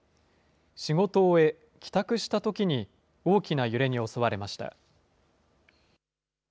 仕事を終え、帰宅したときに大きな揺れに襲われました。